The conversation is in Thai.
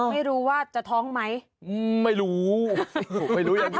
ไม่รู้ว่าจะท้องไหมไม่รู้ไม่รู้ยังไง